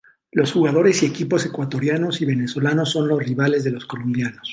Los jugadores y equipos ecuatorianos y venezolanos son los rivales de los colombianos.